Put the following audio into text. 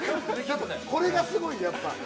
これがすごいんですやっぱ。